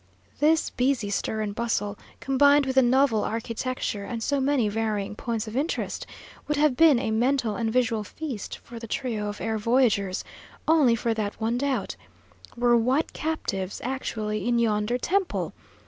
This busy stir and bustle, combined with the novel architecture and so many varying points of interest, would have been a mental and visual feast for the trio of air voyagers, only for that one doubt: were white captives actually in yonder temple?